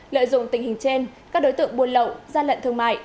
lợi dụng tình hình trên các đối tượng buôn lậu ra lệnh thương mại